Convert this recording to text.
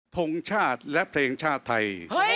ทงชาติและเพลงชาติไทย